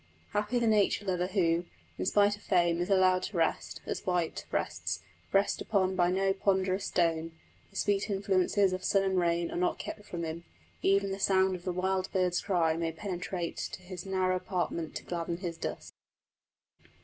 Happy the nature lover who, in spite of fame, is allowed to rest, as White rests, pressed upon by no ponderous stone; the sweet influences of sun and rain are not kept from him; even the sound of the wild bird's cry may penetrate to his narrow apartment to gladden his dust!